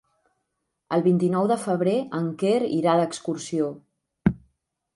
El vint-i-nou de febrer en Quer irà d'excursió.